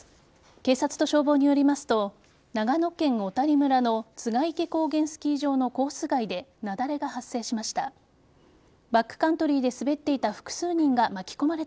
警察と消防によりますと長野県小谷村の栂池高原スキー場のコース外で雪崩が発生しました。